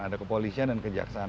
ada kepolisian dan kejaksaan